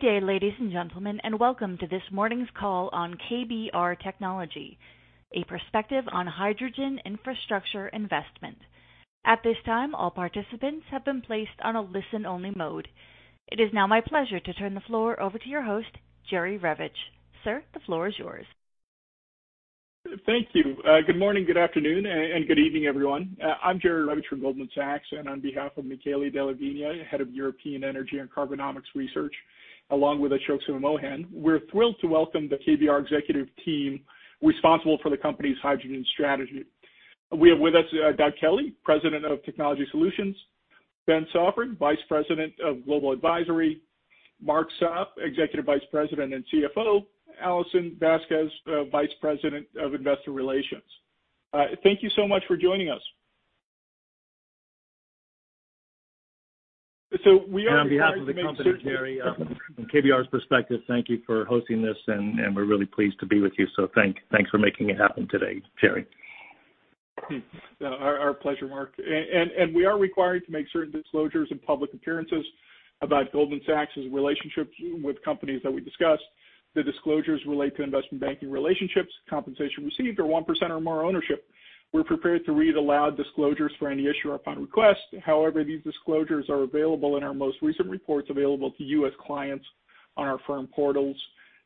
Good day, ladies and gentlemen, welcome to this morning's call on KBR Technology, a perspective on hydrogen infrastructure investment. At this time, all participants have been placed on a listen-only mode. It is now my pleasure to turn the floor over to your host, Jerry Revich. Sir, the floor is yours. Thank you. Good morning, good afternoon, and good evening, everyone. I'm Jerry Revich from Goldman Sachs, and on behalf of Michele Della Vigna, Head of European Energy and Carbonomics Research, along with Ashok Mohan, we're thrilled to welcome the KBR executive team responsible for the company's hydrogen strategy. We have with us Doug Kelly, President of Technology Solutions; Ben Soffer, Vice President of Global Advisory; Mark Sopp, Executive Vice President and CFO; Alison Vasquez, Vice President of Investor Relations. Thank you so much for joining us. On behalf of the company, Jerry, from KBR's perspective, thank you for hosting this, and we're really pleased to be with you. Thanks for making it happen today, Jerry. Our pleasure, Mark. We are required to make certain disclosures in public appearances about Goldman Sachs' relationships with companies that we discuss. The disclosures relate to investment banking relationships, compensation received, or one percent or more ownership. We're prepared to read aloud disclosures for any issuer upon request. However, these disclosures are available in our most recent reports available to U.S. clients on our firm portals.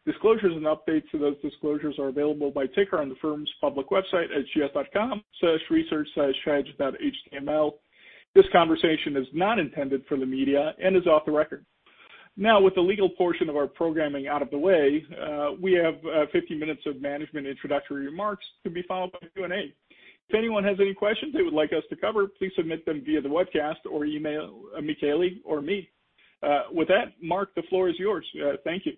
Disclosures and updates to those disclosures are available by ticker on the firm's public website at gs.com/research/strategy.html. This conversation is not intended for the media and is off the record. Now, with the legal portion of our programming out of the way, we have 50 minutes of management introductory remarks to be followed by Q&A. If anyone has any questions they would like us to cover, please submit them via the webcast or email Michele or me. With that, Mark, the floor is yours. Thank you.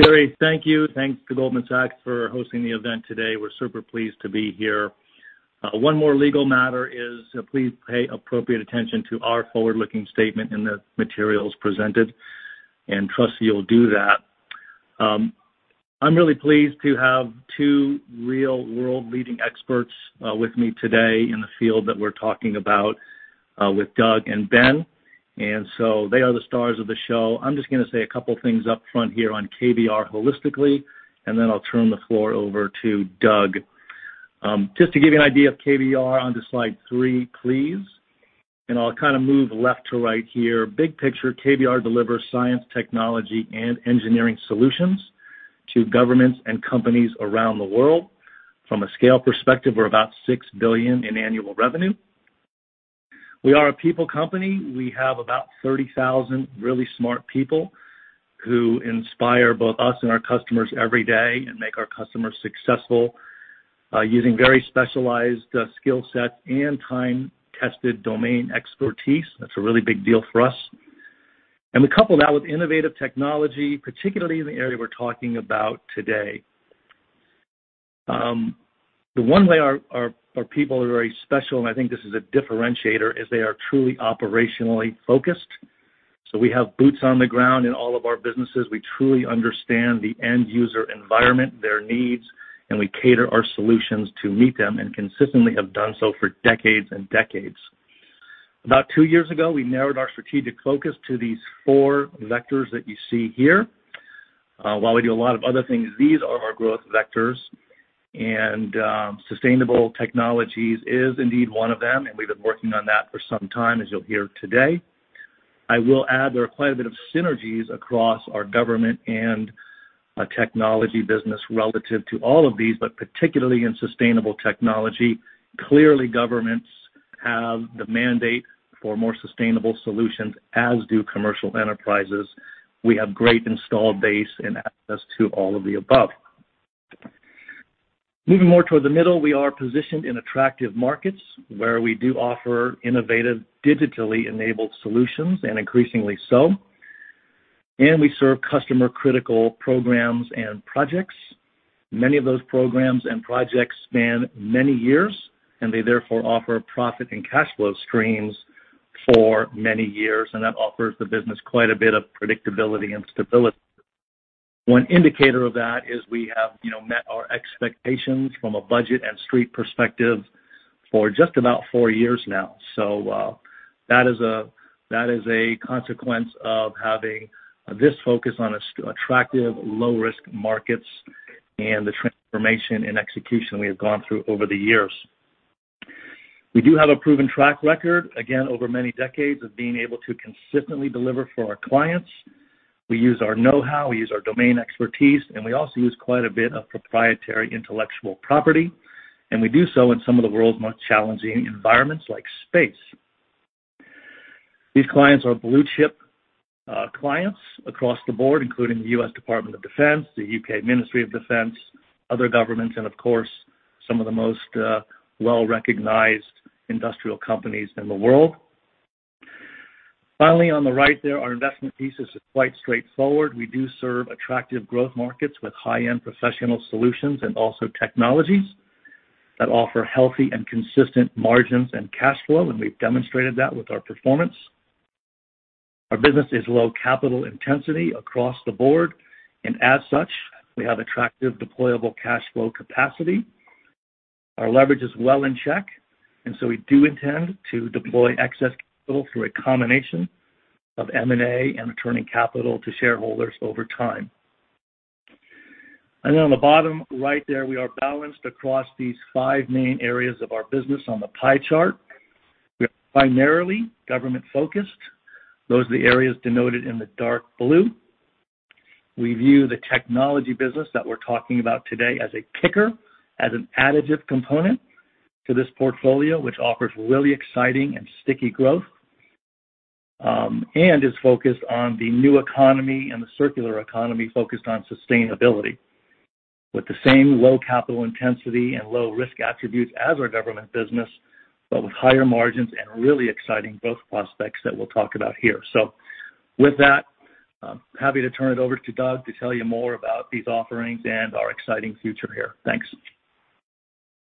Jerry, thank you. Thanks to Goldman Sachs for hosting the event today. We're super pleased to be here. One more legal matter is, please pay appropriate attention to our forward-looking statement in the materials presented, and trust you'll do that. I'm really pleased to have two real world-leading experts with me today in the field that we're talking about, with Doug and Ben. So they are the stars of the show. I'm just going to say a couple things up front here on KBR holistically, then I'll turn the floor over to Doug. Just to give you an idea of KBR, onto slide three, please. I'll kind of move left to right here. Big picture, KBR delivers science, technology, and engineering solutions to governments and companies around the world. From a scale perspective, we're about $6 billion in annual revenue. We are a people company. We have about 30,000 really smart people who inspire both us and our customers every day and make our customers successful, using very specialized skill set and time-tested domain expertise. That's a really big deal for us. We couple that with innovative technology, particularly in the area we're talking about today. The one way our people are very special, and I think this is a differentiator, is they are truly operationally focused. We have boots on the ground in all of our businesses. We truly understand the end user environment, their needs, and we cater our solutions to meet them, and consistently have done so for decades and decades. About two years ago, we narrowed our strategic focus to these four vectors that you see here. While we do a lot of other things, these are our growth vectors, and sustainable technologies is indeed one of them, and we've been working on that for some time, as you'll hear today. I will add, there are quite a bit of synergies across our government and our technology business relative to all of these, but particularly in sustainable technology. Clearly, governments have the mandate for more sustainable solutions, as do commercial enterprises. We have great installed base and access to all of the above. Moving more toward the middle, we are positioned in attractive markets where we do offer innovative, digitally enabled solutions, and increasingly so. We serve customer-critical programs and projects. Many of those programs and projects span many years, and they therefore offer profit and cash flow streams for many years, and that offers the business quite a bit of predictability and stability. One indicator of that is we have met our expectations from a budget and street perspective for just about four years now. That is a consequence of having this focus on attractive low-risk markets and the transformation and execution we have gone through over the years. We do have a proven track record, again, over many decades, of being able to consistently deliver for our clients. We use our know-how, we use our domain expertise, and we also use quite a bit of proprietary intellectual property, and we do so in some of the world's most challenging environments, like space. These clients are blue-chip clients across the board, including the U.S. Department of Defense, the U.K. Ministry of Defence, other governments, and of course, some of the most well-recognized industrial companies in the world. On the right there, our investment thesis is quite straightforward. We do serve attractive growth markets with high-end professional solutions and also technologies that offer healthy and consistent margins and cash flow, and we've demonstrated that with our performance. Our business is low capital intensity across the board. As such, we have attractive deployable cash flow capacity. Our leverage is well in check, we do intend to deploy excess capital through a combination of M&A and returning capital to shareholders over time. On the bottom right there, we are balanced across these five main areas of our business on the pie chart. We are primarily government-focused. Those are the areas denoted in the dark blue. We view the technology business that we're talking about today as a kicker, as an additive component to this portfolio, which offers really exciting and sticky growth, and is focused on the new economy and the circular economy focused on sustainability. With the same low capital intensity and low risk attributes as our government business, but with higher margins and really exciting growth prospects that we'll talk about here. With that, happy to turn it over to Doug to tell you more about these offerings and our exciting future here. Thanks.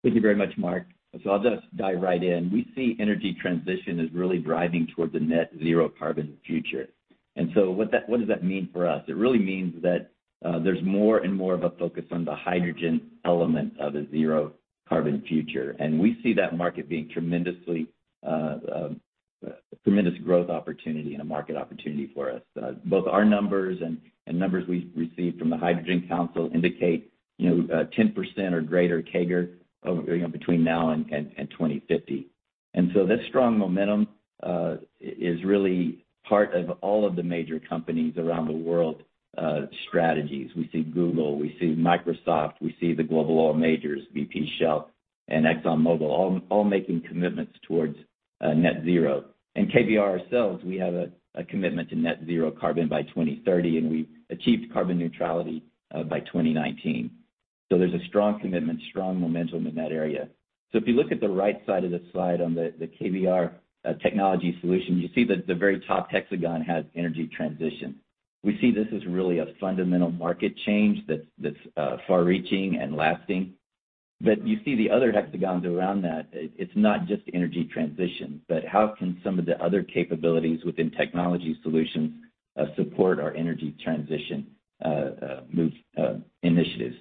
Thank you very much, Mark. I'll just dive right in. We see energy transition as really driving towards a net zero carbon future. What does that mean for us? It really means that there's more and more of a focus on the hydrogen element of the zero-carbon future. We see that market being a tremendous growth opportunity and a market opportunity for us. Both our numbers and numbers we've received from the Hydrogen Council indicate 10% or greater CAGR over between now and 2050. This strong momentum is really part of all of the major companies around the world's strategies. We see Google, we see Microsoft, we see the global oil majors, BP, Shell, and ExxonMobil, all making commitments towards net zero. KBR ourselves, we have a commitment to net zero carbon by 2030, and we achieved carbon neutrality by 2019. There's a strong commitment, strong momentum in that area. If you look at the right side of the slide on the KBR Technology Solutions, you see that the very top hexagon has energy transition. We see this as really a fundamental market change that's far-reaching and lasting. You see the other hexagons around that, it's not just energy transition, but how can some of the other capabilities within Technology Solutions support our energy transition move initiatives?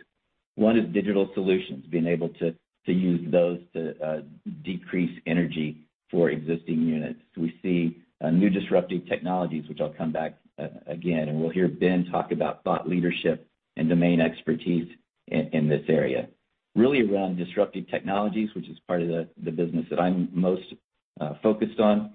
One is digital solutions, being able to use those to decrease energy for existing units. We see new disruptive technologies, which I'll come back again, and we'll hear Ben talk about thought leadership and domain expertise in this area. Really around disruptive technologies, which is part of the business that I'm most focused on.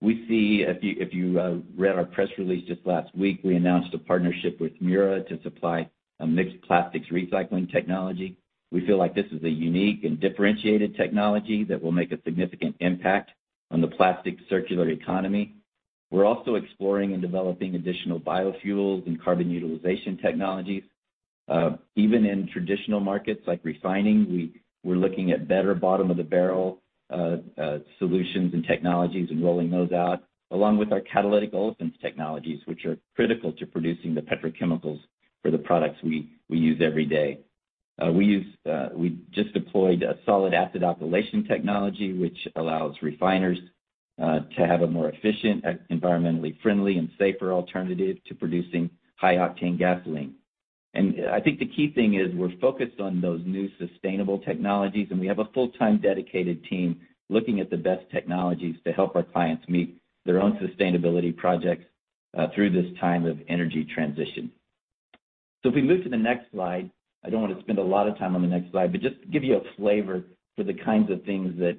If you read our press release just last week, we announced a partnership with Mura to supply a mixed plastics recycling technology. We feel like this is a unique and differentiated technology that will make a significant impact on the plastic circular economy. We're also exploring and developing additional biofuels and carbon utilization technologies. Even in traditional markets like refining, we're looking at better bottom-of-the-barrel solutions and technologies and rolling those out, along with our catalytic olefins technologies, which are critical to producing the petrochemicals for the products we use every day. We just deployed a solid acid alkylation technology, which allows refiners to have a more efficient, environmentally friendly, and safer alternative to producing high-octane gasoline. I think the key thing is we're focused on those new sustainable technologies, and we have a full-time dedicated team looking at the best technologies to help our clients meet their own sustainability projects through this time of energy transition. If we move to the next slide. I don't want to spend a lot of time on the next slide, but just to give you a flavor for the kinds of things that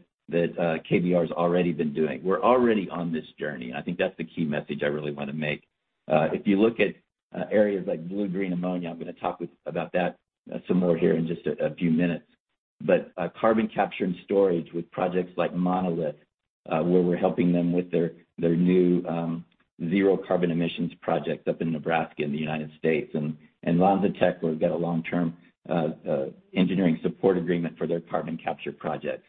KBR's already been doing. We're already on this journey. I think that's the key message I really want to make. If you look at areas like blue green ammonia, I'm going to talk about that some more here in just a few minutes. Carbon capture and storage with projects like Monolith, where we're helping them with their new zero carbon emissions project up in Nebraska in the U.S., and LanzaTech, where we've got a long-term engineering support agreement for their carbon capture project.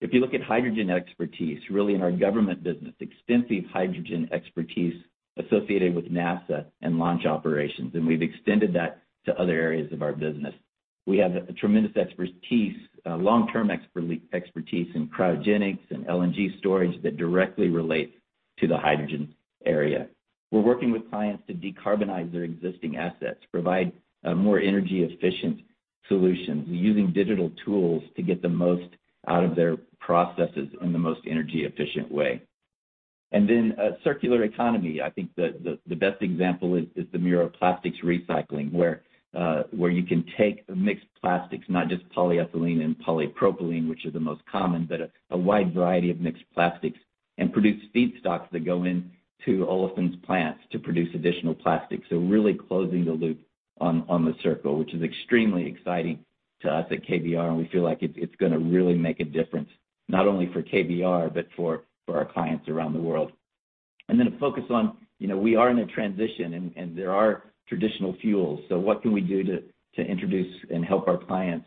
If you look at hydrogen expertise, really in our government business, extensive hydrogen expertise associated with NASA and launch operations, and we've extended that to other areas of our business. We have a tremendous expertise, long-term expertise in cryogenics and LNG storage that directly relates to the hydrogen area. We're working with clients to decarbonize their existing assets, provide more energy-efficient solutions, using digital tools to get the most out of their processes in the most energy-efficient way. Then circular economy. I think the best example is the Mura plastics recycling, where you can take mixed plastics, not just polyethylene and polypropylene, which are the most common, but a wide variety of mixed plastics, and produce feedstocks that go into olefins plants to produce additional plastic. Really closing the loop on the circle, which is extremely exciting to us at KBR, and we feel like it's going to really make a difference, not only for KBR but for our clients around the world. A focus on, we are in a transition and there are traditional fuels. What can we do to introduce and help our clients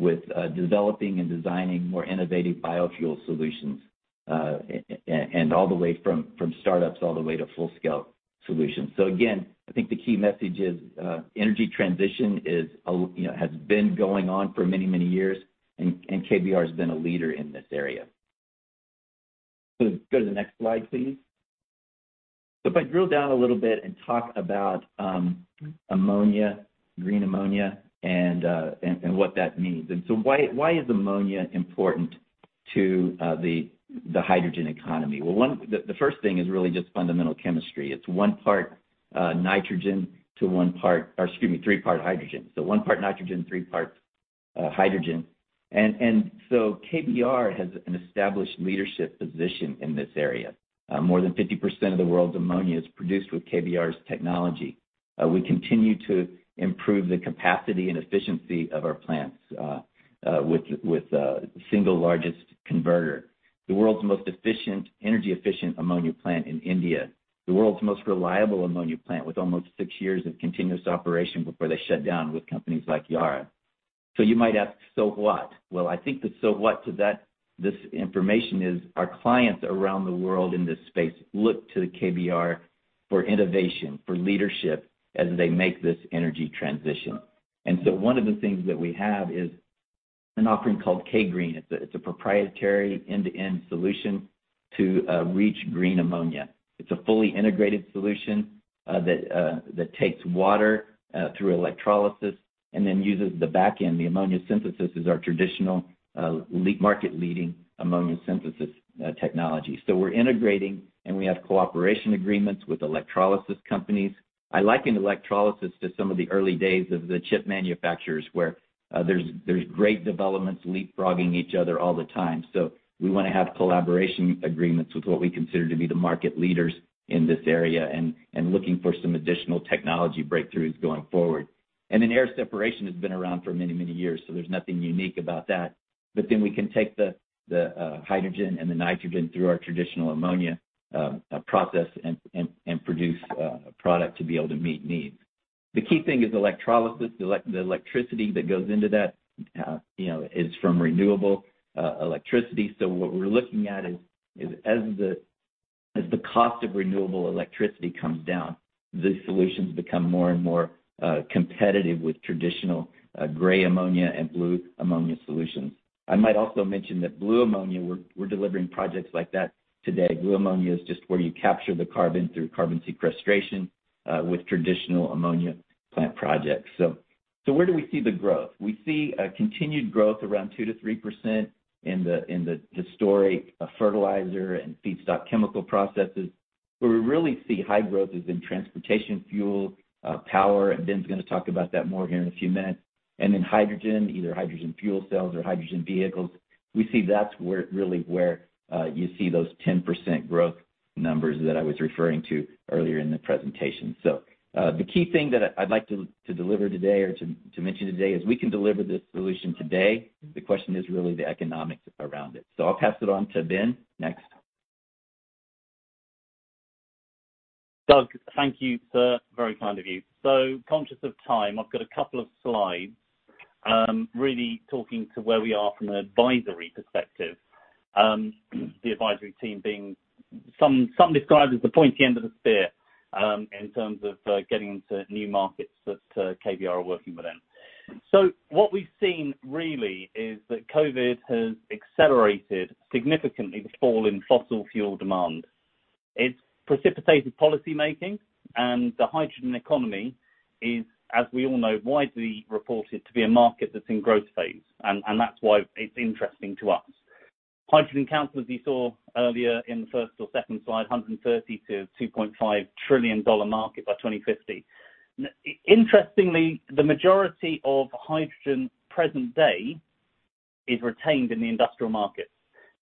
with developing and designing more innovative biofuel solutions, from startups all the way to full-scale solutions. Again, I think the key message is energy transition has been going on for many, many years, and KBR has been a leader in this area. Go to the next slide, please. If I drill down a little bit and talk about ammonia, green ammonia, and what that means. Why is ammonia important to the hydrogen economy? Well, the first thing is really just fundamental chemistry. It's one part nitrogen to three part hydrogen. One part nitrogen, three parts hydrogen. KBR has an established leadership position in this area. More than 50% of the world's ammonia is produced with KBR's technology. We continue to improve the capacity and efficiency of our plants, with the single largest converter. The world's most energy-efficient ammonia plant in India, the world's most reliable ammonia plant with almost 6 years of continuous operation before they shut down with companies like Yara. You might ask, so what? Well, I think the so what to this information is our clients around the world in this space look to KBR for innovation, for leadership as they make this energy transition. One of the things that we have is an offering called K-GreeN. It's a proprietary end-to-end solution to reach green ammonia. It's a fully integrated solution that takes water, through electrolysis and then uses the back end, the ammonia synthesis as our traditional, market-leading ammonia synthesis technology. We're integrating, and we have cooperation agreements with electrolysis companies. I liken electrolysis to some of the early days of the chip manufacturers, where there's great developments leapfrogging each other all the time. We want to have collaboration agreements with who we consider to be the market leaders in this area and looking for some additional technology breakthroughs going forward. Air separation has been around for many, many years, so there's nothing unique about that. Then we can take the hydrogen and the nitrogen through our traditional ammonia process and produce a product to be able to meet needs. The key thing is electrolysis. The electricity that goes into that is from renewable electricity. What we're looking at is as the cost of renewable electricity comes down, these solutions become more and more competitive with traditional gray ammonia and blue ammonia solutions. I might also mention that blue ammonia, we're delivering projects like that today. Blue ammonia is just where you capture the carbon through carbon sequestration, with traditional ammonia plant projects. Where do we see the growth? We see a continued growth around 2%-3% in the historic fertilizer and feedstock chemical processes. Where we really see high growth is in transportation fuel, power, and Ben is going to talk about that more here in a few minutes. Hydrogen, either hydrogen fuel cells or hydrogen vehicles. We see that is really where you see those 10% growth numbers that I was referring to earlier in the presentation. The key thing that I would like to deliver today or to mention today is we can deliver this solution today. The question is really the economics around it. I will pass it on to Ben next. Doug, thank you, sir. Very kind of you. Conscious of time, I have got a couple of slides, really talking to where we are from an advisory perspective. The advisory team being, some describe as the pointy end of the spear, in terms of getting into new markets that KBR are working within. What we have seen really is that COVID has accelerated significantly the fall in fossil fuel demand. It has precipitated policy making and the hydrogen economy is, as we all know, widely reported to be a market that is in growth phase. That is why it is interesting to us. Hydrogen Council, as you saw earlier in the first or second slide, $130 to $2.5 trillion market by 2050. Interestingly, the majority of hydrogen present day is retained in the industrial market,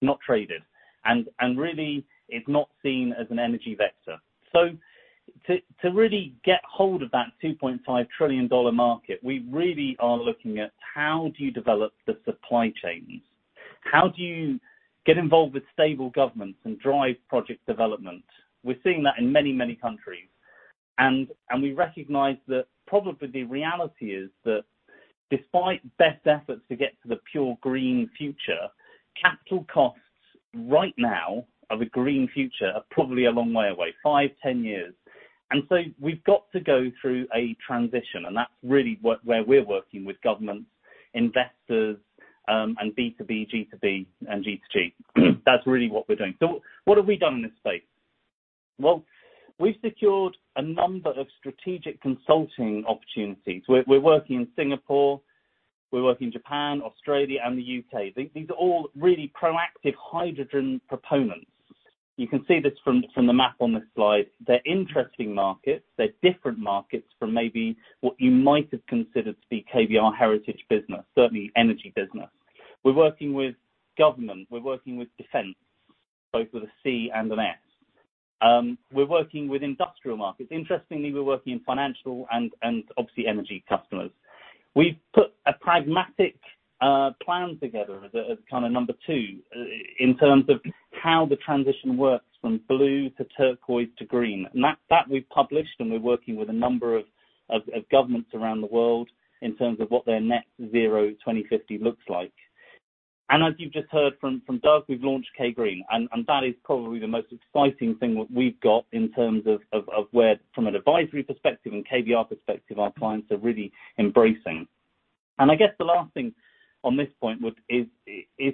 not traded, and really is not seen as an energy vector. To really get hold of that $2.5 trillion market, we really are looking at how do you develop the supply chains? How do you get involved with stable governments and drive project development? We are seeing that in many, many countries, and we recognize that probably the reality is that despite best efforts to get to the pure Green future, capital costs right now of a Green future are probably a long way away, five, 10 years. We have got to go through a transition, and that is really where we are working with governments, investors, and B2B, G2B and G2G. That is really what we are doing. What have we done in this space? Well, we have secured a number of strategic consulting opportunities. We are working in Singapore, we work in Japan, Australia, and the U.K. These are all really proactive hydrogen proponents. You can see this from the map on this slide. They are interesting markets. They are different markets from maybe what you might have considered to be KBR heritage business, certainly energy business. We are working with government, we are working with defense, both with a C and an S. We are working with industrial markets. Interestingly, we are working in financial and obviously energy customers. We have put a pragmatic plan together as kind of number 2 in terms of how the transition works from Blue to Turquoise to Green. That we have published, we are working with a number of governments around the world in terms of what their net zero 2050 looks like. As you have just heard from Doug, we have launched K-GreeN, and that is probably the most exciting thing that we have got in terms of where, from an advisory perspective and KBR perspective, our clients are really embracing. I guess the last thing on this point is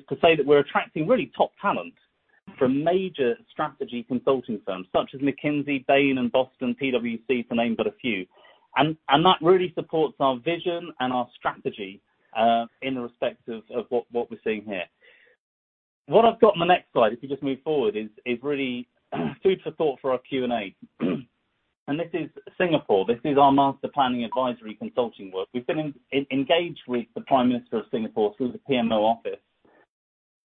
to say that we're attracting really top talent from major strategy consulting firms such as McKinsey, Bain, and Boston, PwC, to name but a few. That really supports our vision and our strategy in respect of what we're seeing here. What I've got on the next slide, if you just move forward, is really food for thought for our Q&A. This is Singapore. This is our master planning advisory consulting work. We've been engaged with the Prime Minister of Singapore through the PMO office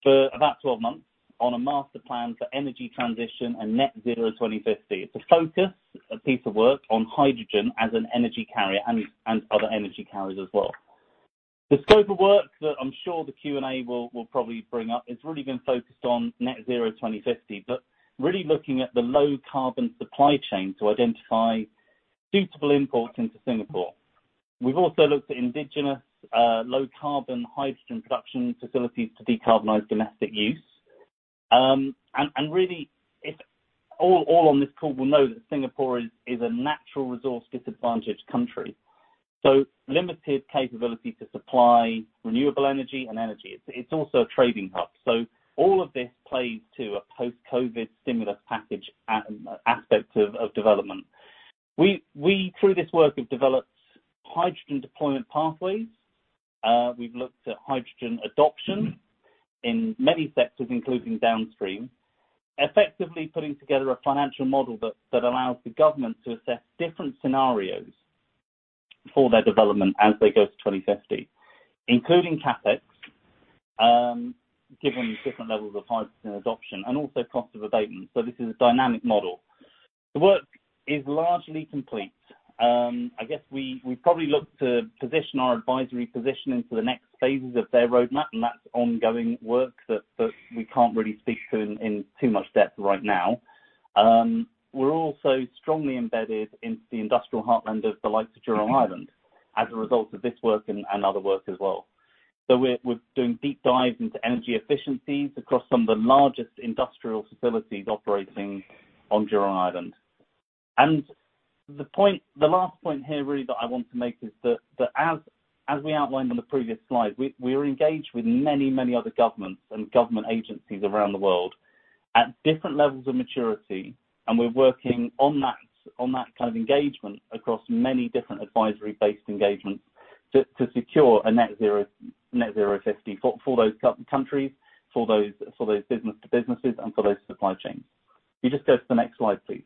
for about 12 months on a master plan for energy transition and net zero 2050. It's a focus, a piece of work on hydrogen as an energy carrier and other energy carriers as well. The scope of work that I'm sure the Q&A will probably bring up has really been focused on net zero 2050, but really looking at the low carbon supply chain to identify suitable imports into Singapore. We've also looked at indigenous, low carbon hydrogen production facilities to decarbonize domestic use. Really, all on this call will know that Singapore is a natural resource disadvantaged country, so limited capability to supply renewable energy and energy. It's also a trading hub. All of this plays to a post-COVID stimulus package aspect of development. We, through this work, have developed hydrogen deployment pathways. We've looked at hydrogen adoption in many sectors, including downstream, effectively putting together a financial model that allows the government to assess different scenarios for their development as they go to 2050, including CapEx, given different levels of hydrogen adoption and also cost of abatement. This is a dynamic model. The work is largely complete. I guess we probably look to position our advisory position into the next phases of their roadmap, that's ongoing work that we can't really speak to in too much depth right now. We're also strongly embedded in the industrial heartland of the likes of Jurong Island as a result of this work and other work as well. We're doing deep dives into energy efficiencies across some of the largest industrial facilities operating on Jurong Island. The last point here really that I want to make is that as we outlined on the previous slide, we are engaged with many other governments and government agencies around the world at different levels of maturity, we're working on that kind of engagement across many different advisory-based engagements to secure a net zero 50 for those countries, for those business to businesses, and for those supply chains. Can you just go to the next slide, please?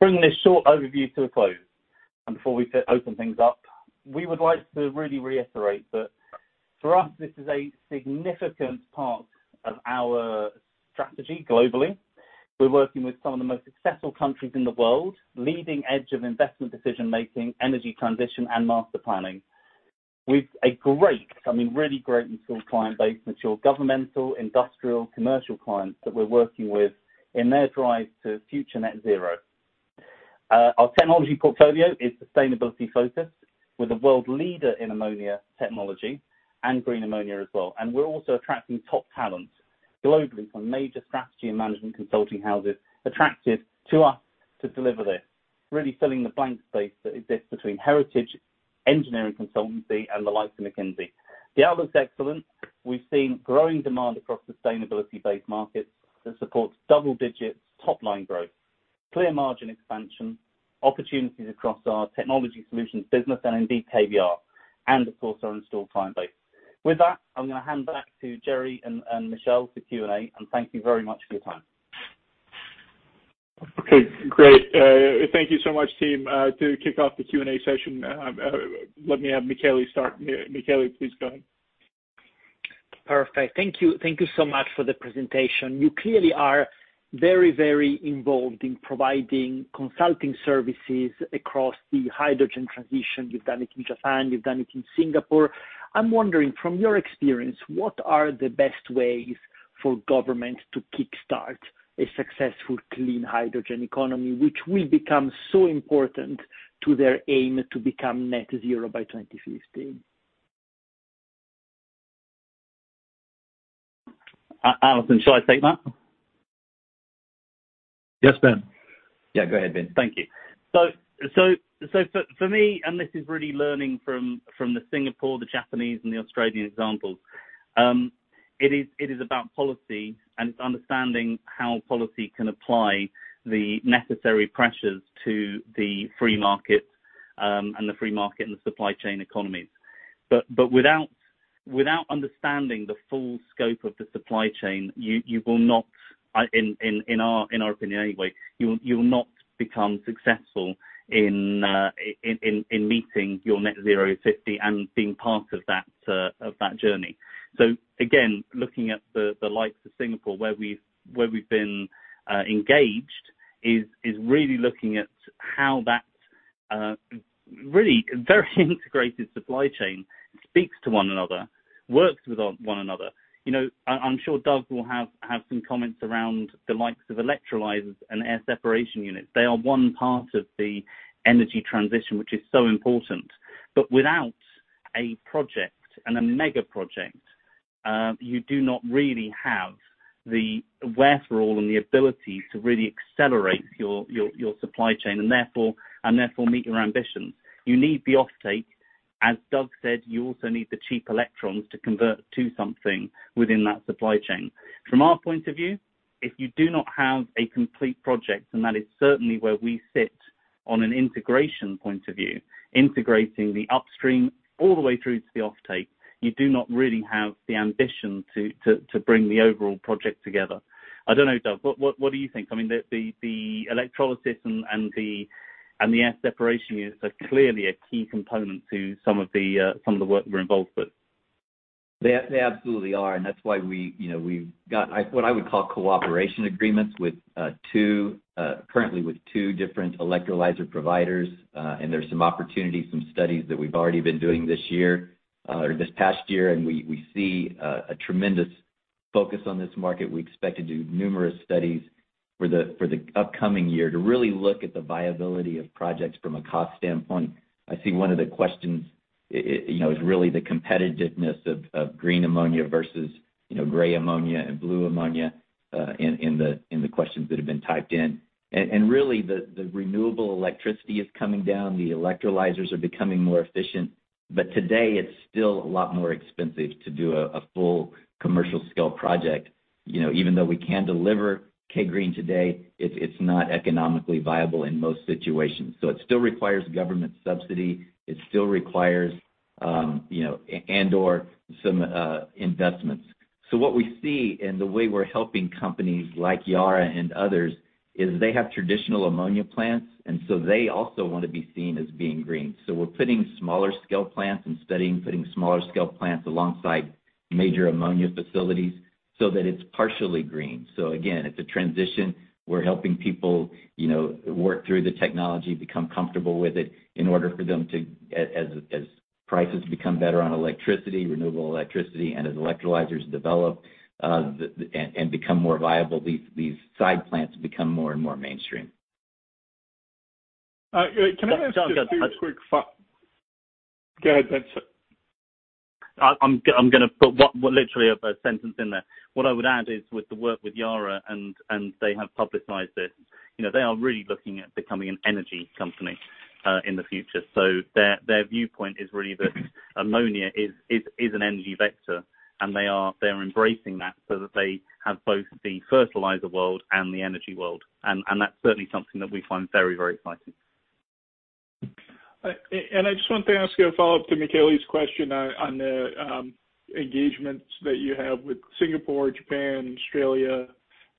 Bringing this short overview to a close and before we open things up, we would like to really reiterate that for us, this is a significant part of our strategy globally. We're working with some of the most successful countries in the world, leading edge of investment decision making, energy transition, and master planning with a great, I mean, really great installed client base, mature governmental, industrial, commercial clients that we're working with in their drive to future net zero. Our technology portfolio is sustainability focused. We're the world leader in ammonia technology and green ammonia as well. We're also attracting top talent globally from major strategy and management consulting houses attracted to us to deliver this, really filling the blank space that exists between heritage engineering consultancy and the likes of McKinsey. The outlook's excellent. We've seen growing demand across sustainability-based markets that supports double digits top line growth, clear margin expansion, opportunities across our Technology Solutions business and indeed KBR, and of course, our installed client base. With that, I'm going to hand back to Jerry and Michele for Q&A, and thank you very much for your time. Okay, great. Thank you so much, team. To kick off the Q&A session, let me have Michele start here. Michele, please go ahead. Perfect. Thank you. Thank you so much for the presentation. You clearly are very involved in providing consulting services across the hydrogen transition. You've done it in Japan, you've done it in Singapore. I'm wondering, from your experience, what are the best ways for government to kick start a successful clean hydrogen economy, which will become so important to their aim to become net zero by 2050? Alison, shall I take that? Yes, Ben. Yeah, go ahead, Ben. Thank you. For me, this is really learning from the Singapore, the Japanese, and the Australian examples, it is about policy and it's understanding how policy can apply the necessary pressures to the free market, and the free market and the supply chain economies. Without understanding the full scope of the supply chain, you will not, in our opinion anyway, you will not become successful in meeting your net zero 50 and being part of that journey. Again, looking at the likes of Singapore, where we've been engaged is really looking at how that really very integrated supply chain speaks to one another, works with one another. I'm sure Doug will have some comments around the likes of electrolyzers and air separation units. They are one part of the energy transition, which is so important. Without a project and a mega project, you do not really have the wherewithal and the ability to really accelerate your supply chain and therefore meet your ambitions. You need the offtake. As Doug said, you also need the cheap electrons to convert to something within that supply chain. From our point of view, if you do not have a complete project, and that is certainly where we sit on an integration point of view, integrating the upstream all the way through to the offtake, you do not really have the ambition to bring the overall project together. I do not know, Doug, what do you think? The electrolysis and the air separation units are clearly a key component to some of the work we are involved with. They absolutely are, that is why we have got what I would call cooperation agreements currently with two different electrolyzer providers. There is some opportunities, some studies that we have already been doing this year or this past year, we see a tremendous focus on this market. We expect to do numerous studies for the upcoming year to really look at the viability of projects from a cost standpoint. I see one of the questions is really the competitiveness of green ammonia versus gray ammonia and blue ammonia in the questions that have been typed in. Really, the renewable electricity is coming down. The electrolyzers are becoming more efficient. Today it is still a lot more expensive to do a full commercial scale project. Even though we can deliver K-GreeN today, it is not economically viable in most situations. It still requires government subsidy. It still requires and/or some investments. What we see and the way we are helping companies like Yara and others, is they have traditional ammonia plants, they also want to be seen as being green. We are putting smaller scale plants and studying putting smaller scale plants alongside major ammonia facilities so that it is partially green. Again, it is a transition. We are helping people work through the technology, become comfortable with it in order for them to, as prices become better on electricity, renewable electricity, as electrolyzers develop and become more viable, these side plants become more and more mainstream. Can I ask just a quick follow up? Go ahead, Ben. I'm going to put literally a sentence in there. What I would add is with the work with Yara, and they have publicized it, they are really looking at becoming an energy company in the future. Their viewpoint is really that ammonia is an energy vector, and they are embracing that so that they have both the fertilizer world and the energy world. That's certainly something that we find very, very exciting. I just wanted to ask you a follow-up to Michele's question on the engagements that you have with Singapore, Japan, Australia,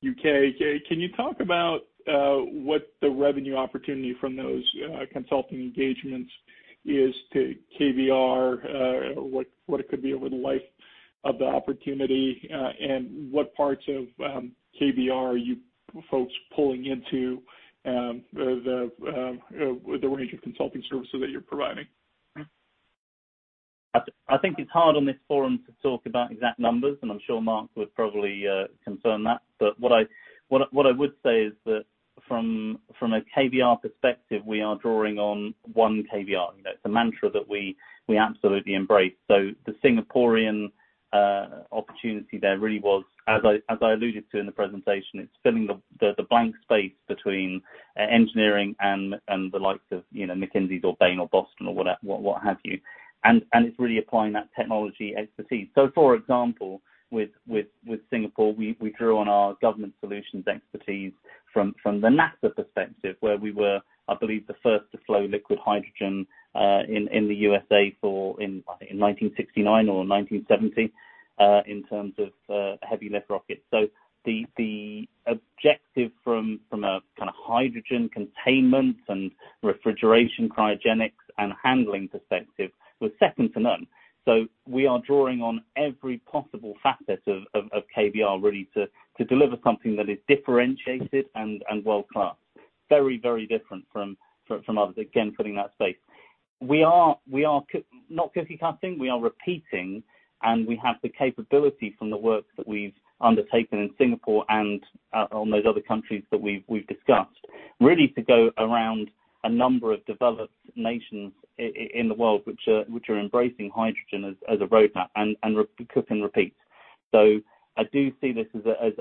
U.K. Can you talk about what the revenue opportunity from those consulting engagements is to KBR, what it could be over the life of the opportunity, and what parts of KBR are you folks pulling into the range of consulting services that you're providing? I think it's hard on this forum to talk about exact numbers, and I'm sure Mark would probably confirm that. What I would say is that from a KBR perspective, we are drawing on one KBR. It's a mantra that we absolutely embrace. The Singaporean opportunity there really was, as I alluded to in the presentation, it's filling the blank space between engineering and the likes of McKinsey or Bain or Boston or what have you. It's really applying that technology expertise. For example, with Singapore, we drew on our government solutions expertise from the NASA perspective, where we were, I believe, the first to flow liquid hydrogen in the U.S.A. in 1969 or 1970, in terms of heavy lift rockets. The objective from a kind of hydrogen containment and refrigeration, cryogenics, and handling perspective was second to none. We are drawing on every possible facet of KBR really to deliver something that is differentiated and world-class. Very, very different from others. Again, filling that space. We are not copy-pasting. We are repeating, and we have the capability from the work that we've undertaken in Singapore and on those other countries that we've discussed, really to go around a number of developed nations in the world which are embracing hydrogen as a roadmap and cook and repeat. I do see this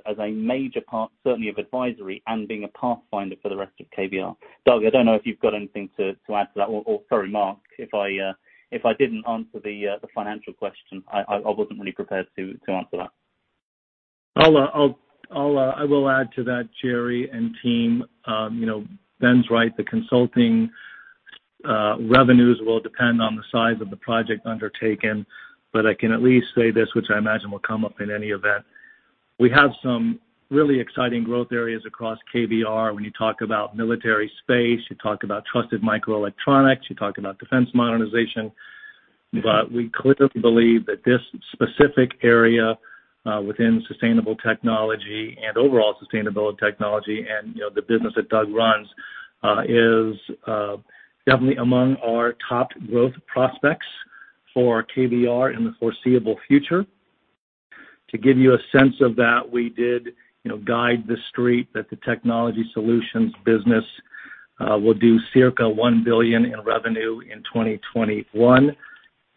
as a major part, certainly of advisory and being a pathfinder for the rest of KBR. Doug, I don't know if you've got anything to add to that? Sorry, Mark, if I didn't answer the financial question, I wasn't really prepared to answer that. I will add to that, Jerry and team. Ben's right, the consulting revenues will depend on the size of the project undertaken. I can at least say this, which I imagine will come up in any event. We have some really exciting growth areas across KBR. When you talk about military space, you talk about trusted microelectronics, you talk about defense modernization. We clearly believe that this specific area, within sustainable technology and overall sustainability technology and the business that Doug runs, is definitely among our top growth prospects for KBR in the foreseeable future. To give you a sense of that, we did guide the street that the Technology Solutions business will do circa $1 billion in revenue in 2021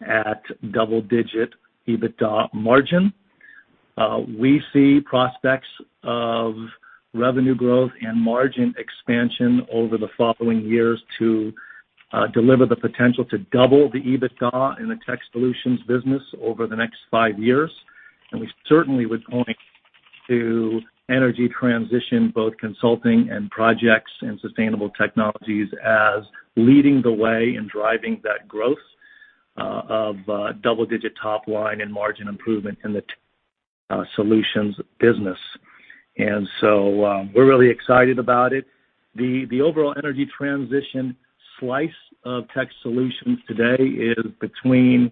at double-digit EBITDA margin. We see prospects of revenue growth and margin expansion over the following years to deliver the potential to double the EBITDA in the Tech Solutions business over the next five years. We certainly would point to energy transition, both consulting and projects in sustainable technologies, as leading the way in driving that growth of double-digit top line and margin improvement in the Tech Solutions business. We're really excited about it. The overall energy transition slice of Tech Solutions today is between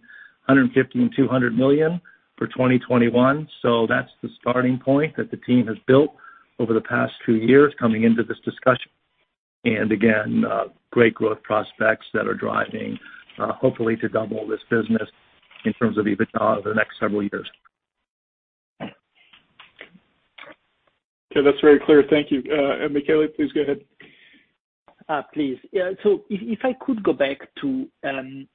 $150 million and $200 million for 2021. That's the starting point that the team has built over the past two years coming into this discussion. Again, great growth prospects that are driving, hopefully, to double this business in terms of EBITDA over the next several years. Okay. That's very clear. Thank you. Michele, please go ahead. Please. If I could go back to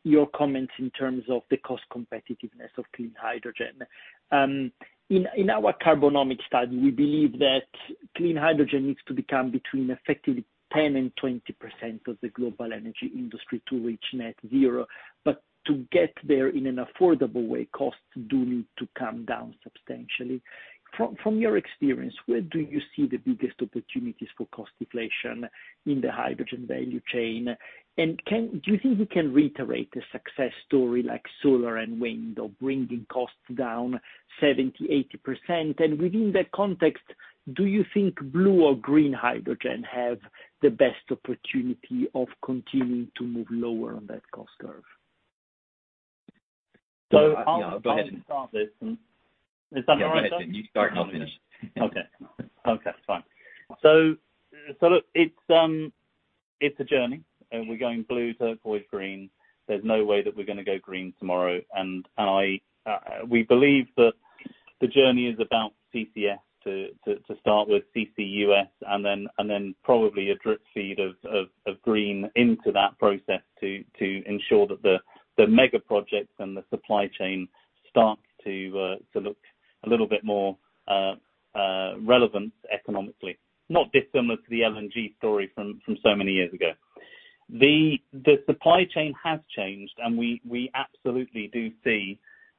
your comments in terms of the cost competitiveness of clean hydrogen. In our Carbonomics study, we believe that clean hydrogen needs to become between effectively 10% and 20% of the global energy industry to reach net zero. To get there in an affordable way, costs do need to come down substantially. From your experience, where do you see the biggest opportunities for cost deflation in the hydrogen value chain? Do you think we can reiterate a success story like solar and wind, of bringing costs down 70%, 80%? Within that context, do you think blue or green hydrogen have the best opportunity of continuing to move lower on that cost curve? I'll. Yeah. Go ahead. I'll start this. Is that all right, Doug? Yeah, go ahead. You start and I'll finish. Okay. Fine. Look, it's a journey, and we're going blue, turquoise, green. There's no way that we're going to go green tomorrow. We believe that the journey is about CCS to start with, CCUS, and then probably a drip feed of green into that process to ensure that the mega projects and the supply chain start to look a little bit more relevant economically. Not dissimilar to the LNG story from so many years ago. The supply chain has changed, and we absolutely do see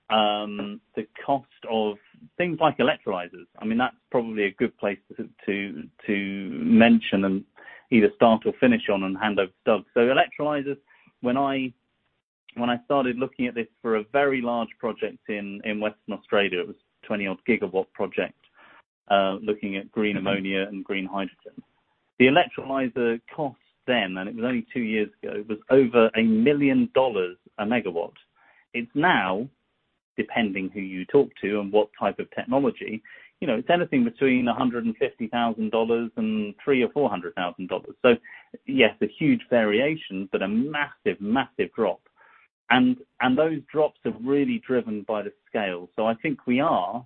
the cost of things like electrolyzers. That's probably a good place to mention and either start or finish on and hand over to Doug. Electrolyzers, when I started looking at this for a very large project in Western Australia, it was 20-odd gigawatt project, looking at green ammonia and green hydrogen. The electrolyzer cost then, and it was only two years ago, was over $1 million a megawatt. It's now, depending who you talk to and what type of technology, it's anything between $150,000 and $300,000 or $400,000. Yes, a huge variation, but a massive drop. Those drops have really driven by the scale. I think we are,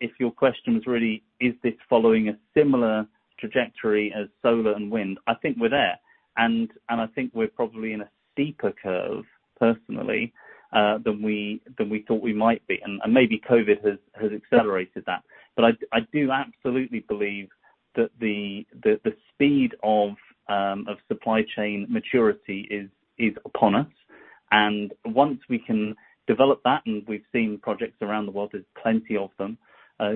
if your question was really, is this following a similar trajectory as solar and wind? I think we're there, and I think we're probably in a steeper curve, personally, than we thought we might be. Maybe COVID has accelerated that. I do absolutely believe that the speed of supply chain maturity is upon us. Once we can develop that, and we've seen projects around the world, there's plenty of them,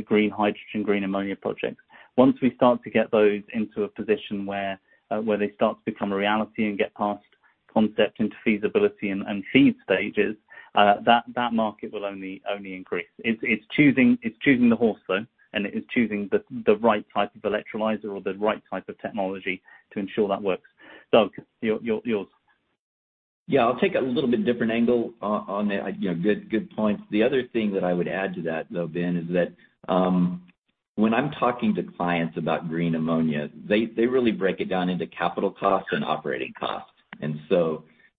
green hydrogen, green ammonia projects. Once we start to get those into a position where they start to become a reality and get past concept into feasibility and FEED stages, that market will only increase. It's choosing the horse, though, and it is choosing the right type of electrolyzer or the right type of technology to ensure that works. Doug, yours. Yeah, I'll take a little bit different angle on it. Good points. The other thing that I would add to that, though, Ben, is that when I'm talking to clients about green ammonia, they really break it down into capital costs and operating costs.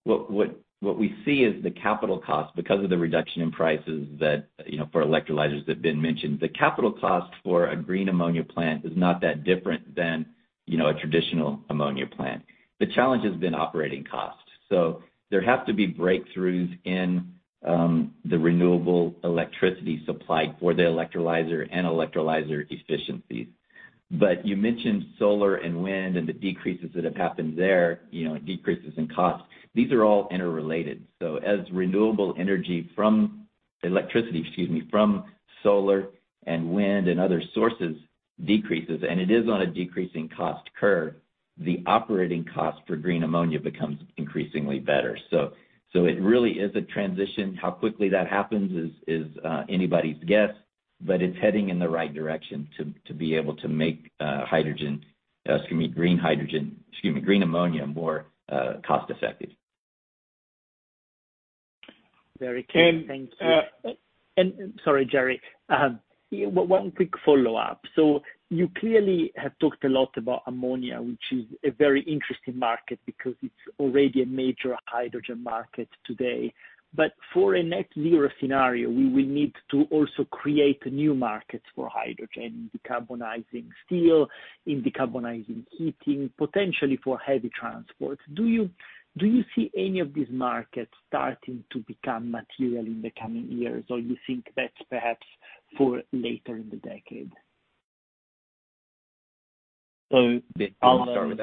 What we see is the capital cost, because of the reduction in prices that for electrolyzers that Ben mentioned, the capital cost for a green ammonia plant is not that different than a traditional ammonia plant. The challenge has been operating costs. There have to be breakthroughs in the renewable electricity supply for the electrolyzer and electrolyzer efficiencies. You mentioned solar and wind and the decreases that have happened there, decreases in cost. These are all interrelated. As renewable energy from electricity, excuse me, from solar and wind and other sources decreases, and it is on a decreasing cost curve, the operating cost for green ammonia becomes increasingly better. It really is a transition. How quickly that happens is anybody's guess, but it's heading in the right direction to be able to make hydrogen, excuse me, green hydrogen, excuse me, green ammonia more cost-effective. Very clear. Thank you. Sorry, Jerry. One quick follow-up. You clearly have talked a lot about ammonia, which is a very interesting market because it's already a major hydrogen market today. For a net zero scenario, we will need to also create new markets for hydrogen in decarbonizing steel, in decarbonizing heating, potentially for heavy transport. Do you see any of these markets starting to become material in the coming years, or you think that's perhaps for later in the decade? I'll- You want to start with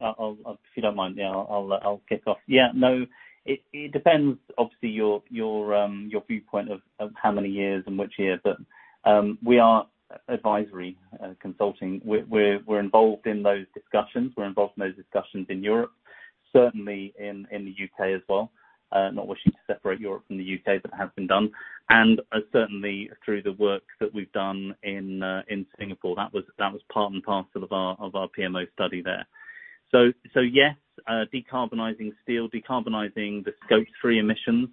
that one? If you don't mind, I'll kick off. Yeah, no, it depends, obviously, your viewpoint of how many years and which year, but we are advisory consulting. We're involved in those discussions. We're involved in those discussions in Europe, certainly in the U.K. as well. Not wishing to separate Europe from the U.K., but it has been done. Certainly through the work that we've done in Singapore. That was part and parcel of our PMO study there. Yes, decarbonizing steel, decarbonizing the scope 3 emissions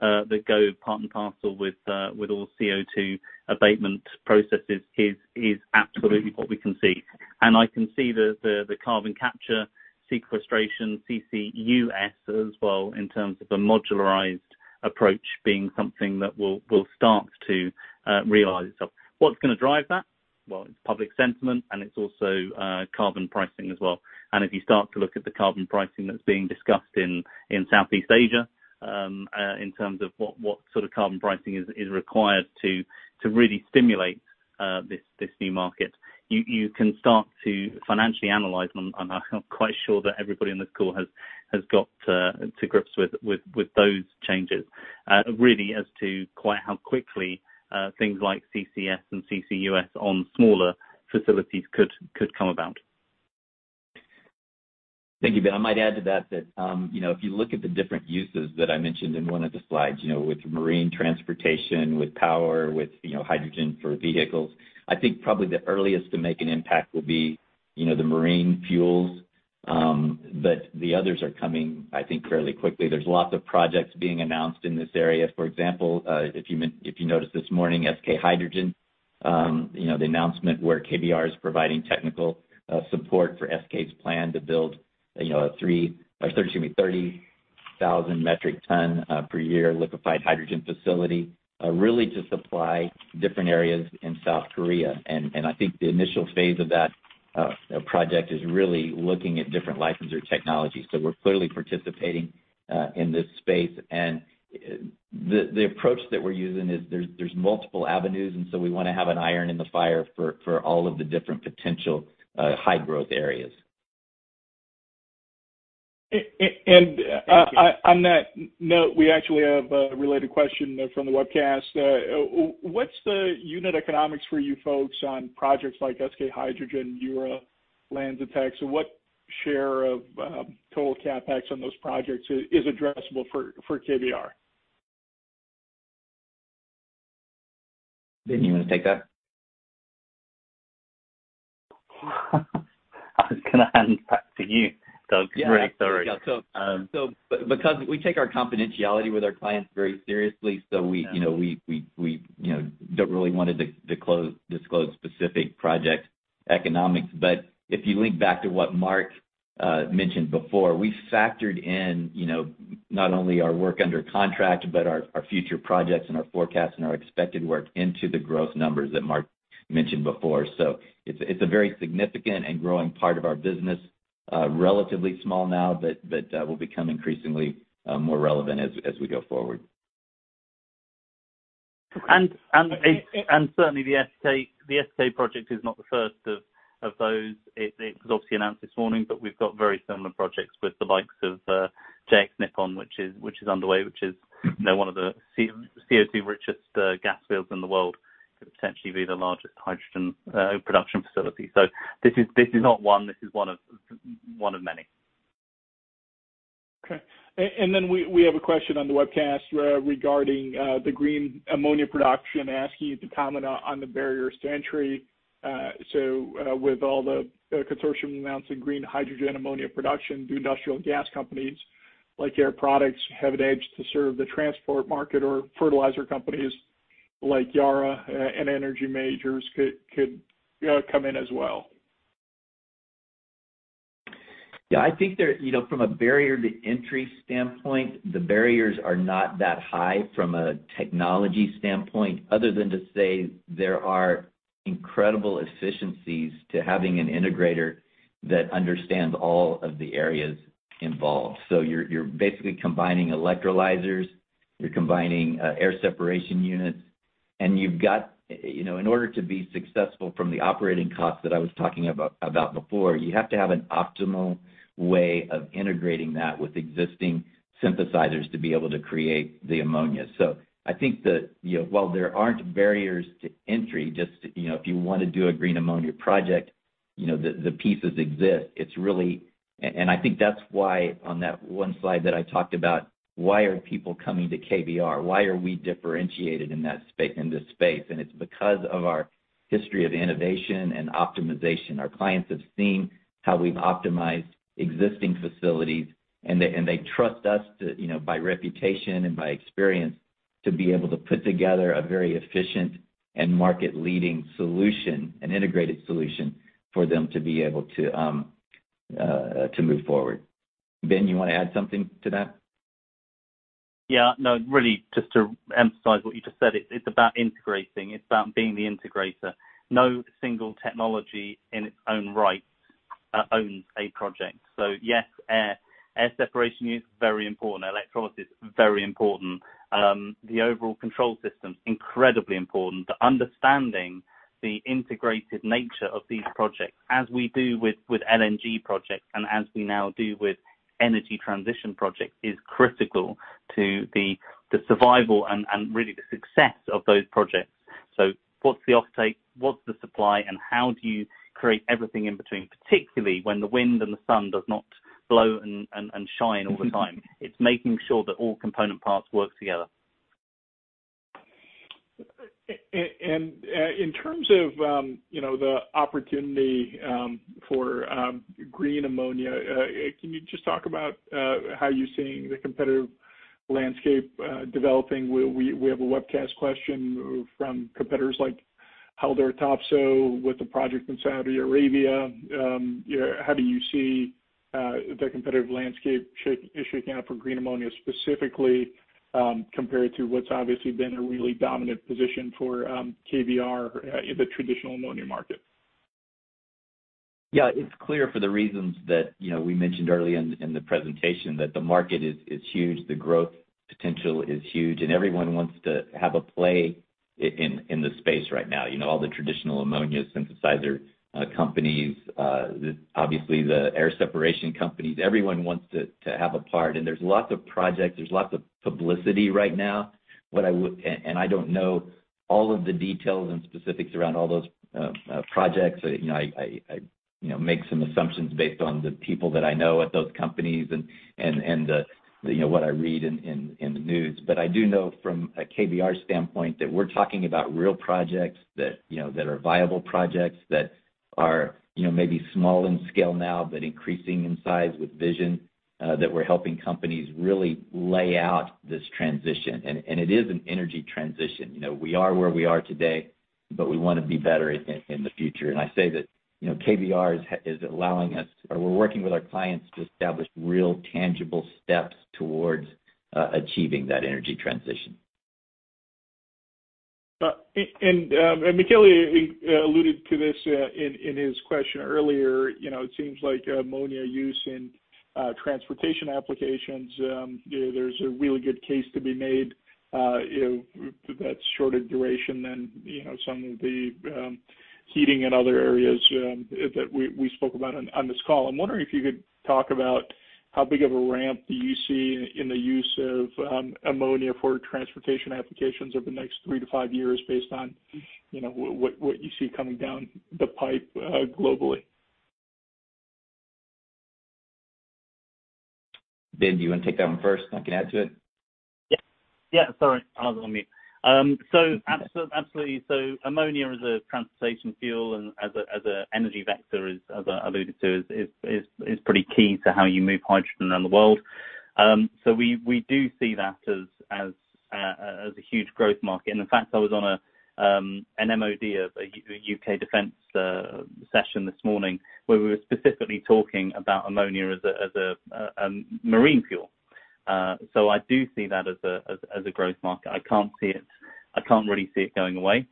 that go part and parcel with all CO2 abatement processes is absolutely what we can see. I can see the carbon capture sequestration, CCUS, as well, in terms of a modularized approach, being something that will start to realize itself. What's going to drive that? Well, it's public sentiment, it's also carbon pricing as well. If you start to look at the carbon pricing that's being discussed in Southeast Asia, in terms of what sort of carbon pricing is required to really stimulate this new market, you can start to financially analyze them. I'm quite sure that everybody on this call has got to grips with those changes, really as to quite how quickly things like CCS and CCUS on smaller facilities could come about. Thank you. I might add to that, if you look at the different uses that I mentioned in one of the slides, with marine transportation, with power, with hydrogen for vehicles, I think probably the earliest to make an impact will be the marine fuels. The others are coming, I think, fairly quickly. There's lots of projects being announced in this area. For example, if you noticed this morning, SK E&S, the announcement where KBR is providing technical support for SK's plan to build a 30,000 metric ton per year liquefied hydrogen facility, really to supply different areas in South Korea. I think the initial phase of that project is really looking at different licensure technologies. So we're clearly participating in this space. The approach that we're using is there's multiple avenues, so we want to have an iron in the fire for all of the different potential high-growth areas. And- Thank you On that note, we actually have a related question from the webcast. What's the unit economics for you folks on projects like SK Hydrogen, Mura, LanzaTech? What share of total CapEx on those projects is addressable for KBR? Ben, you want to take that? I was going to hand it back to you, Doug. Really, sorry. Yeah. Because we take our confidentiality with our clients very seriously. Yeah We don't really want to disclose specific project economics. If you link back to what Mark mentioned before, we factored in not only our work under contract but our future projects and our forecast and our expected work into the growth numbers that Mark mentioned before. It's a very significant and growing part of our business. Relatively small now, but that will become increasingly more relevant as we go forward. Certainly the SK project is not the first of those. It was obviously announced this morning, we've got very similar projects with the likes of JX Nippon, which is underway, which is one of the CO2 richest gas fields in the world. Could potentially be the largest hydrogen production facility. This is not one, this is one of many. Okay. We have a question on the webcast regarding the green ammonia production, asking you to comment on the barriers to entry. With all the consortium announcements in green hydrogen ammonia production, do industrial gas companies like Air Products have an edge to serve the transport market, or fertilizer companies like Yara and Energy Majors could come in as well? I think from a barrier to entry standpoint, the barriers are not that high from a technology standpoint, other than to say there are incredible efficiencies to having an integrator that understands all of the areas involved. You're basically combining electrolyzers, you're combining air separation units. In order to be successful from the operating costs that I was talking about before, you have to have an optimal way of integrating that with existing synthesizers to be able to create the ammonia. I think that while there aren't barriers to entry, if you want to do a green ammonia project, the pieces exist. I think that's why on that one slide that I talked about, why are people coming to KBR? Why are we differentiated in this space? It's because of our history of innovation and optimization. Our clients have seen how we've optimized existing facilities, and they trust us to, by reputation and by experience, to be able to put together a very efficient and market-leading solution, an integrated solution for them to be able to move forward. Ben, you want to add something to that? Yeah, no, really just to emphasize what you just said, it's about integrating. It's about being the integrator. No single technology in its own right owns a project. Yes, air separation is very important. Electrolysis is very important. The overall control system is incredibly important. Understanding the integrated nature of these projects, as we do with LNG projects and as we now do with energy transition projects, is critical to the survival and really the success of those projects. What's the off-take, what's the supply, and how do you create everything in between, particularly when the wind and the sun does not blow and shine all the time. It's making sure that all component parts work together. In terms of the opportunity for green ammonia, can you just talk about how you're seeing the competitive landscape developing? We have a webcast question from competitors like Haldor Topsoe with the project from Saudi Arabia. How do you see the competitive landscape shaking out for green ammonia specifically, compared to what's obviously been a really dominant position for KBR in the traditional ammonia market? Yeah. It's clear for the reasons that we mentioned early in the presentation that the market is huge, the growth potential is huge, and everyone wants to have a play in the space right now. All the traditional ammonia synthesizer companies, obviously the air separation companies, everyone wants to have a part. There's lots of projects, there's lots of publicity right now. I don't know all of the details and specifics around all those projects. I make some assumptions based on the people that I know at those companies and what I read in the news. I do know from a KBR standpoint that we're talking about real projects that are viable projects that are maybe small in scale now, but increasing in size with vision, that we're helping companies really lay out this transition. It is an energy transition. We are where we are today, but we want to be better in the future. I say that KBR is allowing us, or we're working with our clients to establish real tangible steps towards achieving that energy transition. Michele alluded to this in his question earlier. It seems like ammonia use in transportation applications, there's a really good case to be made that's shorter duration than some of the heating in other areas that we spoke about on this call. I'm wondering if you could talk about how big of a ramp do you see in the use of ammonia for transportation applications over the next three to five years based on what you see coming down the pipe globally. Ben, do you want to take that one first? I can add to it. Yeah. Sorry, I was on mute. Absolutely. Ammonia as a transportation fuel and as an energy vector, as I alluded to, is pretty key to how you move hydrogen around the world. We do see that as a huge growth market. In fact, I was on a MOD, a U.K. defense session this morning, where we were specifically talking about ammonia as a marine fuel. I do see that as a growth market. I can't really see it going away.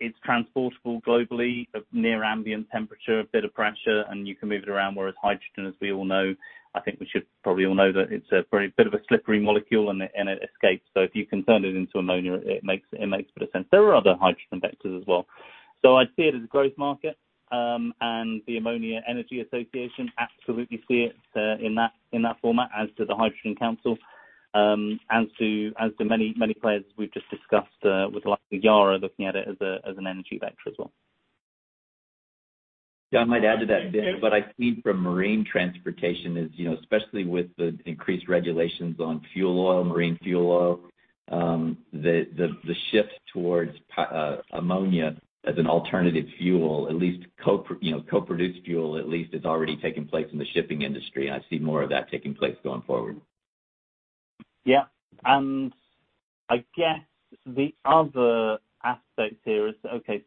It's transportable globally at near ambient temperature, a bit of pressure, and you can move it around. Whereas hydrogen, as we all know, I think we should probably all know that it's a very slippery molecule, and it escapes. If you can turn it into ammonia, it makes a bit of sense. There are other hydrogen vectors as well. I see it as a growth market. The Ammonia Energy Association absolutely see it in that format as to the Hydrogen Council, as to many players we've just discussed, with the likes of Yara looking at it as an energy vector as well. Yeah. I might add to that, Ben. What I see from marine transportation is, especially with the increased regulations on fuel oil, marine fuel oil, the shift towards ammonia as an alternative fuel, at least co-produced fuel, is already taking place in the shipping industry. I see more of that taking place going forward. Yeah. I guess the other aspect here is, okay,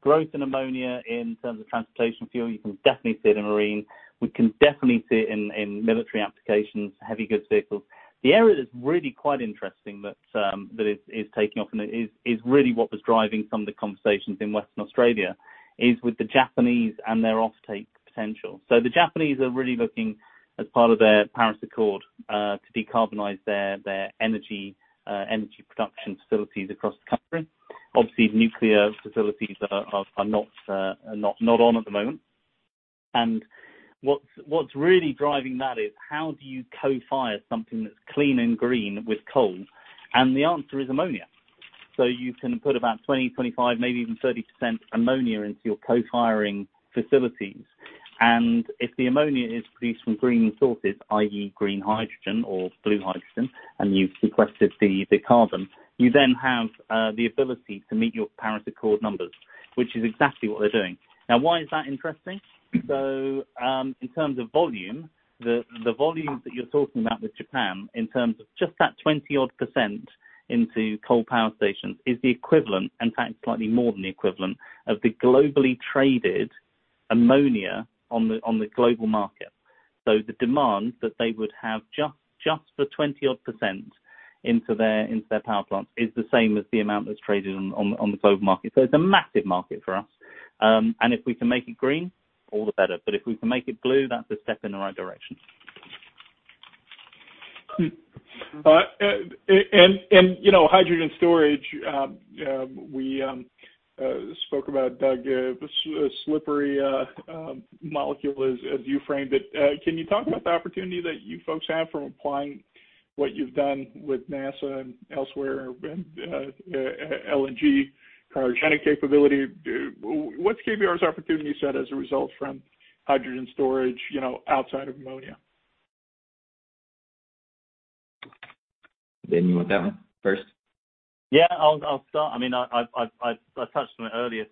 growth in ammonia in terms of transportation fuel, you can definitely see it in marine. We can definitely see it in military applications, heavy goods vehicles. The area that's really quite interesting that is taking off, it is really what was driving some of the conversations in Western Australia, is with the Japanese and their offtake potential. The Japanese are really looking as part of their Paris Agreement to decarbonize their energy production facilities across the country. Obviously, nuclear facilities are not on at the moment. What's really driving that is, how do you co-fire something that's clean and green with coal? The answer is ammonia. You can put about 20, 25, maybe even 30% ammonia into your co-firing facilities. If the ammonia is produced from green sources, i.e., green hydrogen or blue hydrogen, and you've sequestered the carbon, you then have the ability to meet your Paris Agreement numbers, which is exactly what they're doing. Why is that interesting? In terms of volume, the volume that you're talking about with Japan in terms of just that 20-odd percent into coal power stations is the equivalent, in fact, slightly more than the equivalent of the globally traded ammonia on the global market. The demand that they would have, just for 20-odd percent into their power plants is the same as the amount that's traded on the global market. It's a massive market for us. If we can make it green, all the better. If we can make it blue, that's a step in the right direction. Hydrogen storage, we spoke about, Doug, a slippery molecule, as you framed it. Can you talk about the opportunity that you folks have from applying what you've done with NASA and elsewhere, LNG cryogenic capability? What's KBR's opportunity set as a result from hydrogen storage outside of ammonia? Ben, you want that one first? Yeah, I'll start. I touched on it earlier.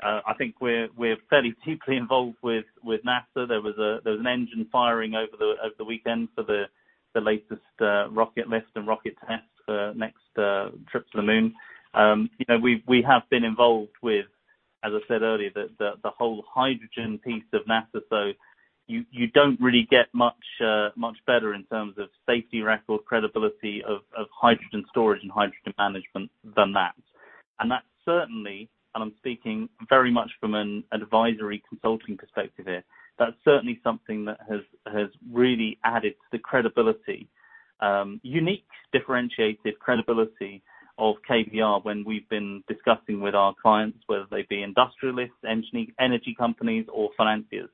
I think we're fairly deeply involved with NASA. There was an engine firing over the weekend for the latest rocket lift and rocket test for next trip to the moon. We have been involved with, as I said earlier, the whole hydrogen piece of NASA. You don't really get much better in terms of safety record credibility of hydrogen storage and hydrogen management than that. That certainly, and I'm speaking very much from an advisory consulting perspective here, that's certainly something that has really added to the credibility, unique, differentiated credibility of KBR when we've been discussing with our clients, whether they be industrialists, energy companies or financiers,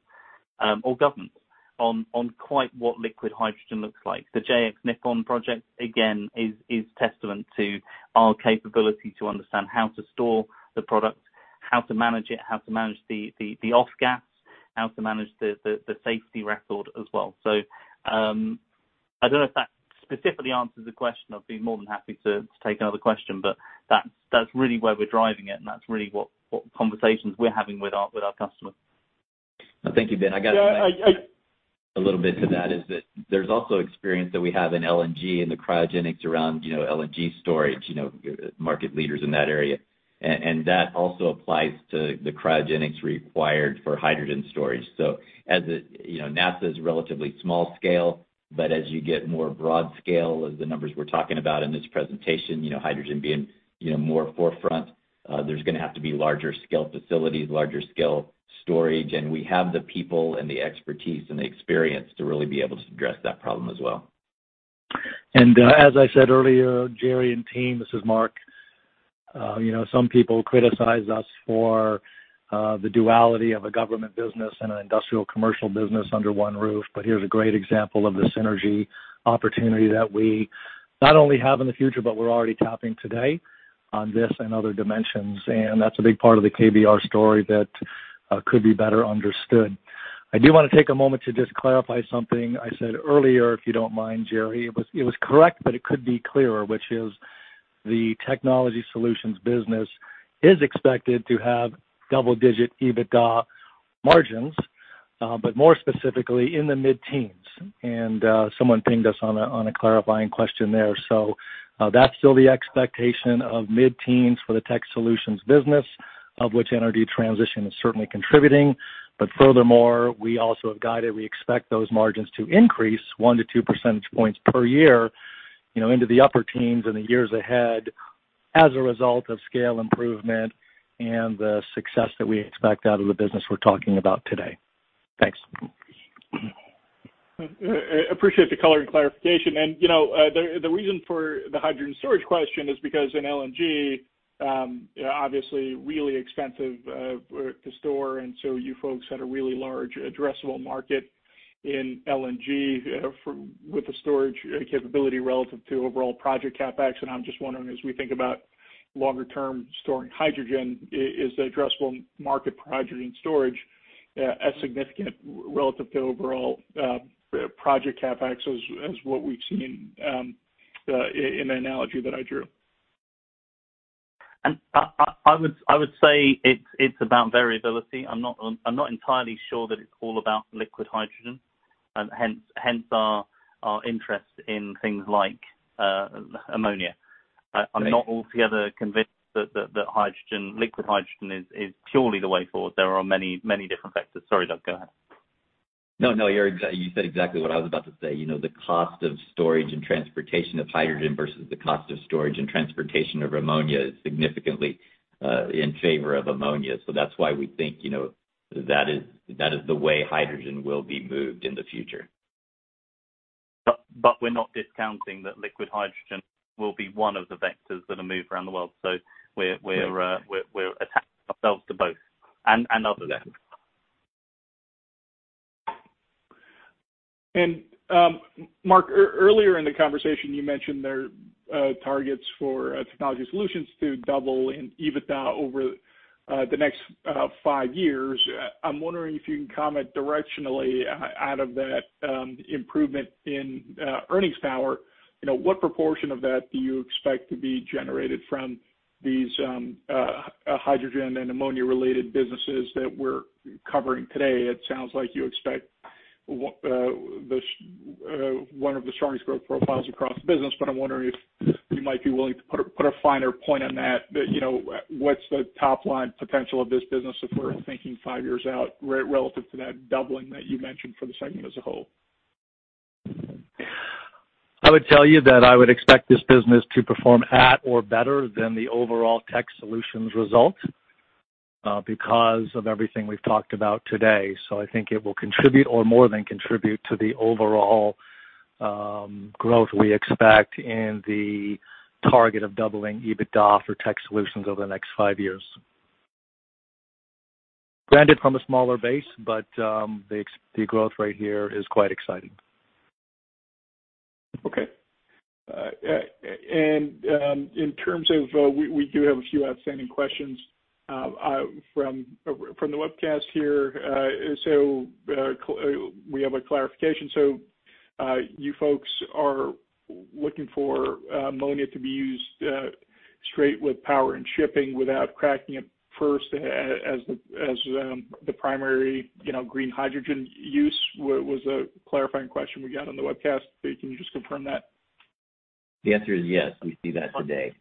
or governments, on quite what liquid hydrogen looks like. The JX Nippon project, again, is testament to our capability to understand how to store the product, how to manage it, how to manage the off-gas, how to manage the safety record as well. I don't know if that specifically answers the question. I'd be more than happy to take another question, but that's really where we're driving it, and that's really what conversations we're having with our customers. Thank you, Ben. Yeah. A little bit to that, is that there's also experience that we have in LNG in the cryogenics around LNG storage, market leaders in that area. That also applies to the cryogenics required for hydrogen storage. NASA is relatively small scale, but as you get more broad scale as the numbers we're talking about in this presentation, hydrogen being more forefront, there's going to have to be larger scale facilities, larger scale storage, and we have the people and the expertise and the experience to really be able to address that problem as well. As I said earlier, Jerry and team, this is Mark. Some people criticize us for the duality of a government business and an industrial commercial business under one roof, but here's a great example of the synergy opportunity that we not only have in the future, but we're already tapping today on this and other dimensions, and that's a big part of the KBR story that could be better understood. I do want to take a moment to just clarify something I said earlier, if you don't mind, Jerry. It was correct, but it could be clearer, which is the Technology Solutions business is expected to have double-digit EBITDA margins, but more specifically in the mid-teens. Someone pinged us on a clarifying question there. That's still the expectation of mid-teens for the Tech Solutions business, of which energy transition is certainly contributing. Furthermore, we also have guided, we expect those margins to increase 1 to 2 percentage points per year into the upper teens in the years ahead as a result of scale improvement and the success that we expect out of the business we're talking about today. Thanks. Appreciate the color and clarification. The reason for the hydrogen storage question is because in LNG, obviously really expensive to store, so you folks had a really large addressable market in LNG with the storage capability relative to overall project CapEx. I'm just wondering, as we think about longer-term storing hydrogen, is the addressable market project in storage as significant relative to overall project CapEx as what we've seen in the analogy that I drew? I would say it's about variability. I'm not entirely sure that it's all about liquid hydrogen, hence our interest in things like ammonia. I'm not altogether convinced that liquid hydrogen is purely the way forward. There are many different vectors. Sorry, Doug, go ahead. No, you said exactly what I was about to say. The cost of storage and transportation of hydrogen versus the cost of storage and transportation of ammonia is significantly in favor of ammonia. That's why we think that is the way hydrogen will be moved in the future. We're not discounting that liquid hydrogen will be one of the vectors that are moved around the world. We're attaching ourselves to both and other vectors. Mark, earlier in the conversation, you mentioned their targets for Technology Solutions to double in EBITDA over the next five years. I'm wondering if you can comment directionally out of that improvement in earnings power, what proportion of that do you expect to be generated from these hydrogen and ammonia-related businesses that we're covering today? It sounds like you expect one of the strongest growth profiles across the business, but I'm wondering if you might be willing to put a finer point on that. What's the top-line potential of this business if we're thinking five years out relative to that doubling that you mentioned for the segment as a whole? I would tell you that I would expect this business to perform at or better than the overall Technology Solutions result because of everything we've talked about today. I think it will contribute or more than contribute to the overall growth we expect in the target of doubling EBITDA for Technology Solutions over the next 5 years. Granted from a smaller base, but the growth rate here is quite exciting. Okay. In terms of, we do have a few outstanding questions from the webcast here. We have a clarification. You folks are looking for ammonia to be used straight with power and shipping without cracking it first as the primary green hydrogen use, was a clarifying question we got on the webcast. Can you just confirm that? The answer is yes, we see that today.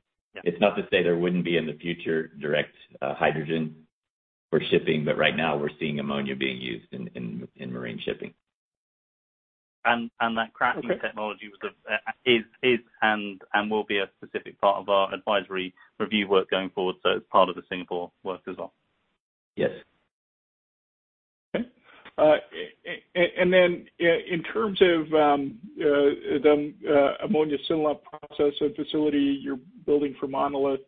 It's not to say there wouldn't be in the future direct hydrogen for shipping, but right now we're seeing ammonia being used in marine shipping. That cracking technology is and will be a specific part of our advisory review work going forward, so part of the Singapore work as well. Yes. Okay. Then in terms of the ammonia synloop process and facility you're building for Monolith,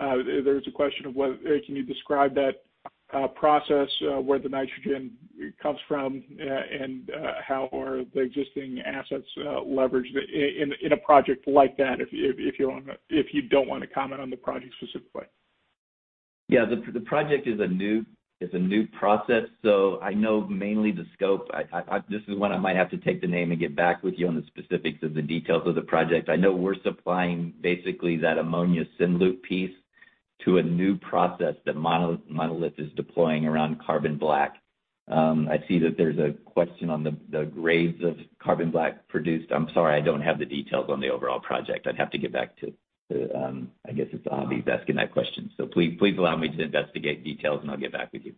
there's a question of can you describe that process, where the nitrogen comes from, and how are the existing assets leveraged in a project like that, if you don't want to comment on the project specifically? Yeah, the project is a new process. I know mainly the scope. This is one I might have to take the name and get back with you on the specifics of the details of the project. I know we're supplying basically that ammonia synloop piece to a new process that Monolith is deploying around carbon black. I see that there's a question on the grades of carbon black produced. I'm sorry, I don't have the details on the overall project. I'd have to get back to, I guess it's Avi's asking that question. Please allow me to investigate details, and I'll get back with you.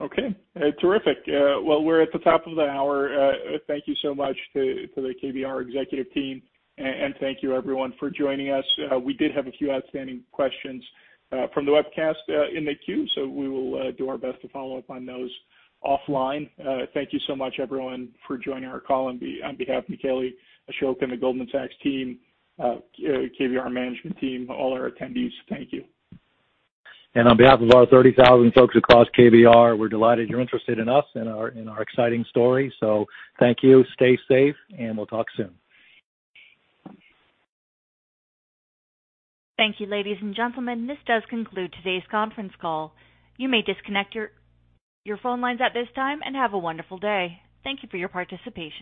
Okay. Terrific. Well, we're at the top of the hour. Thank you so much to the KBR executive team. Thank you everyone for joining us. We did have a few outstanding questions from the webcast in the queue. We will do our best to follow up on those offline. Thank you so much, everyone, for joining our call, on behalf of Michele, Ashok, and the Goldman Sachs team, KBR management team, all our attendees, thank you. On behalf of our 30,000 folks across KBR, we're delighted you're interested in us and our exciting story. Thank you, stay safe, and we'll talk soon. Thank you, ladies and gentlemen. This does conclude today's conference call. You may disconnect your phone lines at this time, and have a wonderful day. Thank you for your participation.